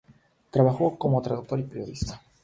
Trabajó como traductor y periodista.